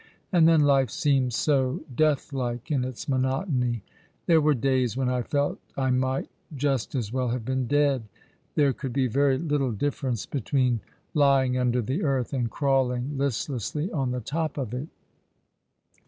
And then life seemed so death like in its monotony. There were days when I felt I might just as well have been dead. There could be very little difference between lyicg under the earth and crawling list lessly on the top of it."